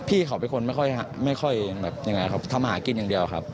พี่เขาเป็นคนไม่ค่อยทำหากินอย่างเดียวครับ